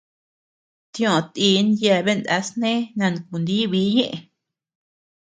Tioʼö tin yeabean naa snee nankuníbii ñëʼe.